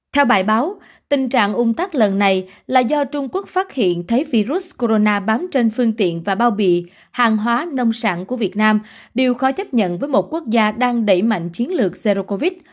theo bài báo tình trạng ung tắc lần này là do trung quốc phát hiện thấy virus corona bám trên phương tiện và bao bì hàng hóa nông sản của việt nam đều khó chấp nhận với một quốc gia đang đẩy mạnh chiến lược zero covid